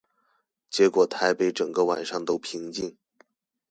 結果台北整個晚上都平靜